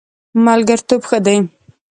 ملګرتوب ښه دی.